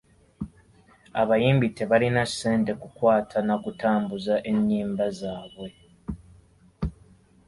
Abayimbi tebalina ssente kukwata na kutambuza ennyimba zaabwe.